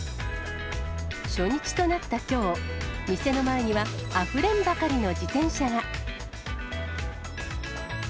初日となったきょう、店の前にはあふれんばかりの自転車が。